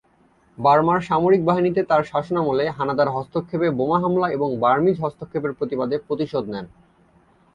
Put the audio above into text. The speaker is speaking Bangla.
বার্মার সামরিক বাহিনীতে তার শাসনামলে হানাদার হস্তক্ষেপে বোমা হামলা এবং বার্মিজ হস্তক্ষেপের প্রতিবাদে প্রতিশোধ নেন।